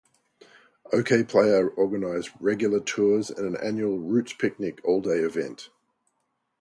Okayplayer organize regular tours and an annual "Roots Picnic" all day event.